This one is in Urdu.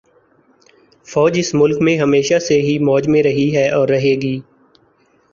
فوج اس ملک میں ہمیشہ سے ہی موج میں رہی ہے اور رہے گی